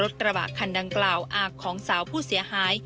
กระบะคันดังกล่าวอาของสาวผู้เสียหาย